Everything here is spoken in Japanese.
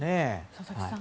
佐々木さん